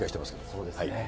そうですね。